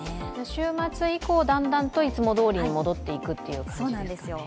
週末以降、だんだんといつもどおりに戻っていくという感じですかね。